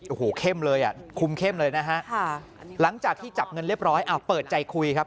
โอ้โหเข้มเลยอ่ะคุมเข้มเลยนะฮะหลังจากที่จับเงินเรียบร้อยอ้าวเปิดใจคุยครับ